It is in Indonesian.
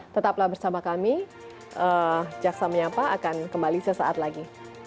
tetaplah bersama kami jaksa menyapa akan kembali sesaat lagi